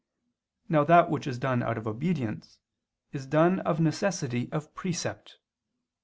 Now that which is done out of obedience is done of necessity of precept.